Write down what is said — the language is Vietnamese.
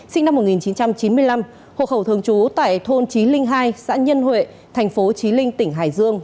sinh năm một nghìn chín trăm chín mươi năm hộ khẩu thường trú tại thôn chí linh hai xã nhân huệ tp chí linh tỉnh hải dương